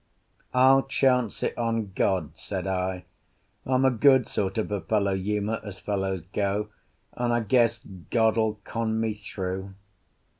"I'll chance it on God's," said I. "I'm a good sort of a fellow, Uma, as fellows go, and I guess God'll con me through."